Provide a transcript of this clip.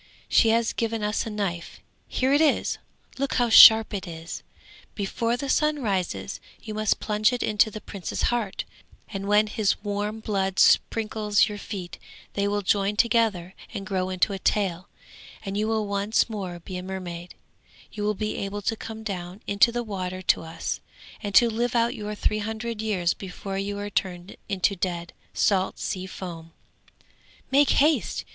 She has given us a knife; here it is, look how sharp it is! Before the sun rises, you must plunge it into the prince's heart, and when his warm blood sprinkles your feet they will join together and grow into a tail, and you will once more be a mermaid; you will be able to come down into the water to us, and to live out your three hundred years before you are turned into dead, salt sea foam. Make haste!